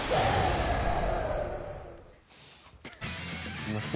すみません。